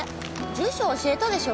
住所教えたでしょ？